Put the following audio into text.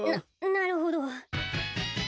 ななるほど。